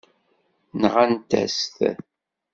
Nɣant-as-t.